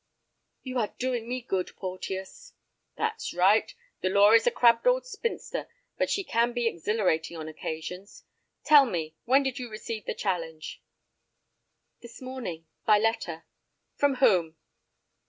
"You are doing me good, Porteus." "That's right. The law is a crabbed old spinster, but she can be exhilarating on occasions. Tell me, when did you receive the challenge?" "This morning, by letter." "From whom?"